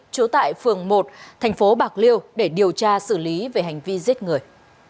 trú tại phường một thành phố bạc liêu để điều tra xử lý về hành vi giết người